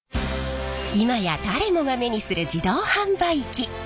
今や誰もが目にする自動販売機。